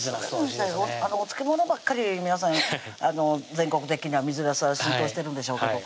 先生お漬物ばっかり皆さん全国的には水なすは浸透してるんでしょうけど